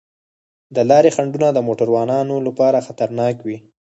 د لارې خنډونه د موټروانو لپاره خطرناک وي.